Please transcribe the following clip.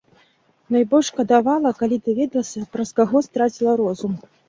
Найбольш шкадавала, калі даведалася, праз каго страціла розум.